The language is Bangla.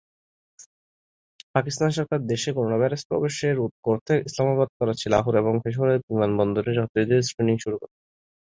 পাকিস্তান সরকার দেশে করোনাভাইরাস প্রবেশে রোধ করতে ইসলামাবাদ, করাচি, লাহোর এবং পেশোয়ারের বিমানবন্দরে যাত্রীদের স্ক্রিনিং শুরু করে।